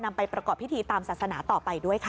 ไปประกอบพิธีตามศาสนาต่อไปด้วยค่ะ